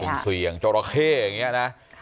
สุดเสียงจรเข้อย่างนี้นะ